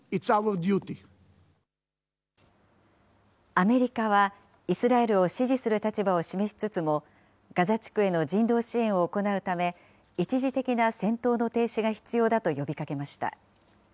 アメリカは、イスラエルを支持する立場を示しつつも、ガザ地区への人道支援を行うため、一時的な戦闘の停止が必要だと呼びかけました。